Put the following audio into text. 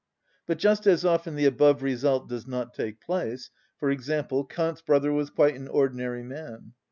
But just as often the above result does not take place; for example, Kant's brother was quite an ordinary man.